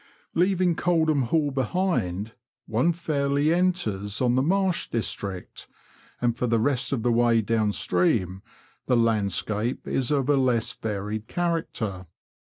Leaving Coldham Hall behind, one fairly enters on the marsh district, and for the rest of the way down stream the landscape is of a less varied character.